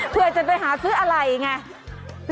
เพื่อจะไปหาซื้ออะไรไง